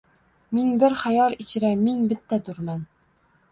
Ming bir xayol ichra ming bittadurman.